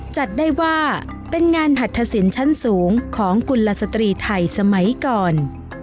จัดได้ว่าเป็นงานหัตถสินชั้นสูงของกุลสตรีไทยสมัยก่อน